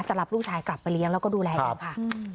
รับลูกชายกลับไปเลี้ยงแล้วก็ดูแลกันค่ะ